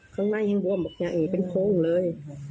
ข้างในยังบวมบอกยังเอ๋เป็นโค้งเลย